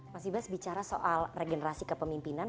mas ibas bicara soal regenerasi kepemimpinan